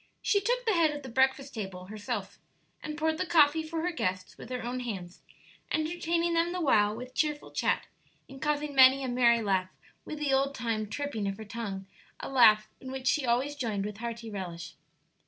She took the head of the breakfast table herself, and poured the coffee for her guests with her own hands, entertaining them the while with cheerful chat, and causing many a merry laugh with the old time tripping of her tongue a laugh in which she always joined with hearty relish.